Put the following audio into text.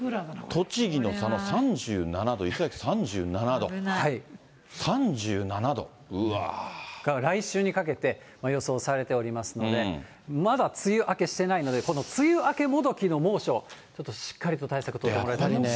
栃木の佐野３７度、だから来週にかけて予想されておりますので、まだ梅雨明けしてないので、梅雨明けもどきの猛暑、ちょっとしっかりと対策取ってもらいたいですね。